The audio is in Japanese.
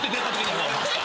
言われました。